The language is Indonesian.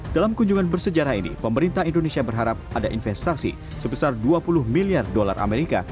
dalam kunjungan bersejarah ini pemerintah indonesia berharap ada investasi sebesar dua puluh miliar dolar amerika